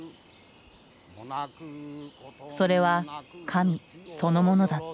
それは神そのものだった。